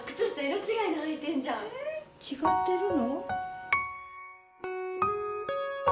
違ってるの？